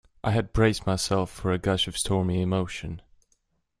I had braced myself for a gush of stormy emotion.